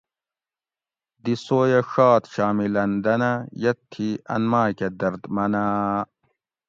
دی سویہ ڛات شامِ لندنہ یہ تھی ان ماکہ دردمنا